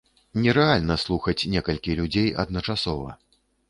Нерэальна слухаць некалькі людзей адначасова.